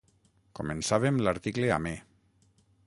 Començàvem l'article amè.